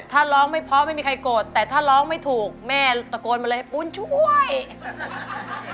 ถ้าร้องไม่เพราะไม่มีใครโกรธแต่ถ้าร้องไม่ถูกแม่ตะโกนมาเลยให้ปุ้นช่วย